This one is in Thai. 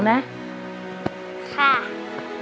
ครับ